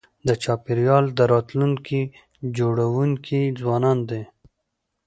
د چاپېریال د راتلونکي جوړونکي ځوانان دي.